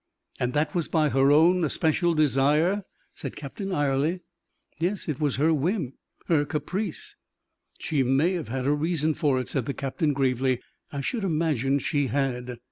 "And that was by her own especial desire?" said Captain Ayrley. "Yes, it was her whim her caprice." "She may have had a reason for it," said the captain, gravely. "I should imagine she had."